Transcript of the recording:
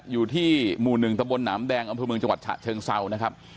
อยู่ที่หมู่นึงตบนหนามแดงอมภัยเมืองจังหวัดเชิงเซานะครับ